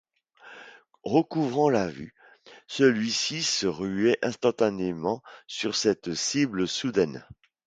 Recouvrant la vue, celui-ci se ruait instantanément sur cette cible soudaine.